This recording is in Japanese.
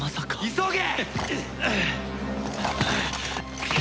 急げ！